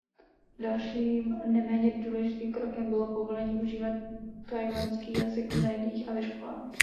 Dalším neméně důležitým krokem bylo povolení užívat tchaiwanský jazyk v médiích a ve školách.